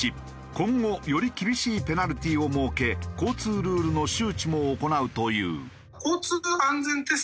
今後より厳しいペナルティーを設け交通ルールの周知も行うという。